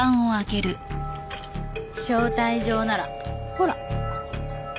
招待状ならほら。